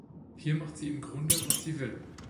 Hier macht sie im Grunde, was sie will.